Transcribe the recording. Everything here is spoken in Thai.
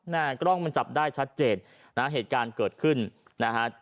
กล้องมันจับได้ชัดเจนนะฮะเหตุการณ์เกิดขึ้นนะฮะ